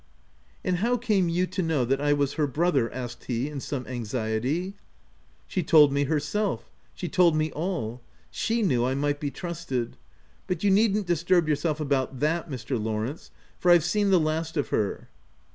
" And how came you to know that I was her brother?" asked he in some anxietv. " She told me herself. She told me all. She knew I might be trusted. But you needn't disturb yourself about that, Mr. Lawrence, for I've seen the last of her